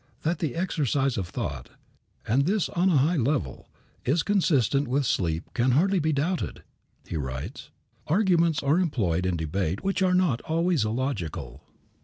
"That the exercise of thought and this on a high level is consistent with sleep can hardly be doubted," he writes. "Arguments are employed in debate which are not always illogical.